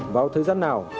vào thời gian nào